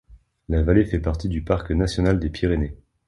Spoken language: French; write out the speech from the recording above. La vallée fait partie du parc national des Pyrénées.